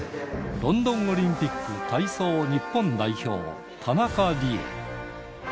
ロンドンオリンピック体操日本代表、田中理恵。